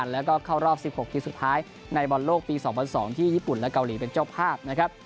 แล้วก็เข้ารอบ๑๖ทีมสุดท้ายในบอลโลกปี๒๐๐๒ที่ญี่ปุ่นและเกาหลีเป็นเจ้าภาพนะครับ